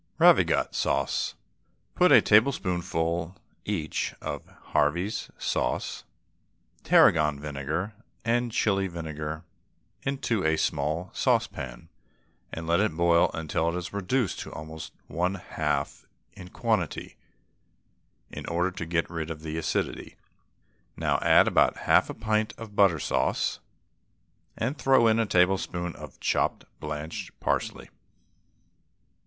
RAVIGOTTE SAUCE. Put a tablespoonful each of Harvey's sauce, tarragon vinegar, and chilli vinegar into a small saucepan, and let it boil till it is reduced to almost one half in quantity, in order to get rid of the acidity. Now add about half a pint of butter sauce, and throw in a tablespoonful of chopped blanched parsley.